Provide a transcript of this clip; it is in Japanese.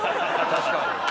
確かに。